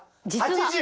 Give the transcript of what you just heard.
８０。